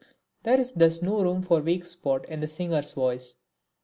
There is thus no room for any weak spot in the singer's voice.